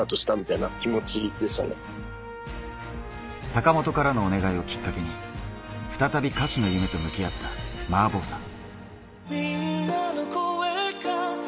坂本からのお願いをきっかけに、再び歌手の夢と向き合ったｍａａｂｏｏさん。